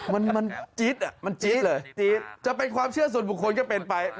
มันจิ๊ดอ่ะจะเป็นความเชื่อส่วนบุคคลก็เป็นไป